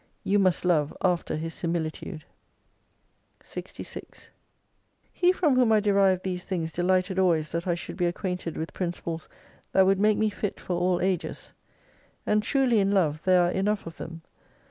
You must love after His similitude. 66 He from whom I derived these things delighted always that I should be acquainted with principles that would make me fit for all ages. And truly in Love there are enough of them.